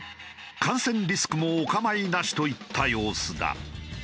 感染リスクもお構いなしといった様子だ。